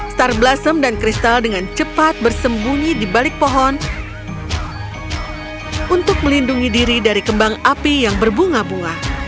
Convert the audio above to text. star blossom dan kristal dengan cepat bersembunyi di balik pohon untuk melindungi diri dari kembang api yang berbunga bunga